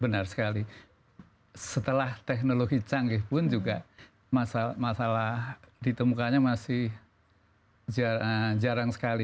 benar sekali setelah teknologi canggih pun juga masalah ditemukannya masih jarang sekali